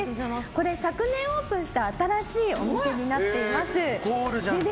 これ昨年オープンした新しいお店になっています。